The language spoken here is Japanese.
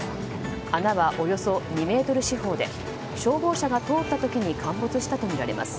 穴はおよそ２ｍ四方で消防車が通った時に陥没したとみられます。